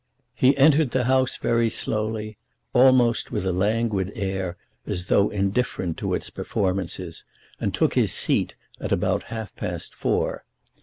He entered the House very slowly, almost with a languid air, as though indifferent to its performances, and took his seat at about half past four.